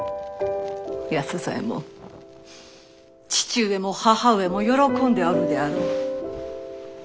安左衛門父上も母上も喜んでおるであろう。